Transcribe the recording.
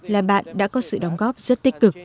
là bạn đã có sự đóng góp rất tích cực